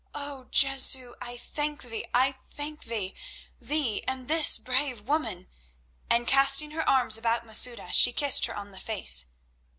"Oh, Jesu, I thank Thee, I thank Thee—Thee, and this brave woman!" and, casting her arms about Masouda, she kissed her on the face.